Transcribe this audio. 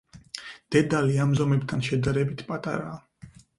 დედალი ამ ზომებთან შედარებით პატარაა.